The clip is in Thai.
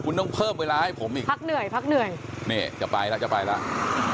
คุณต้องเพิ่มเวลาให้ผมอีกพักเหนื่อยพักเหนื่อยนี่จะไปแล้วจะไปแล้ว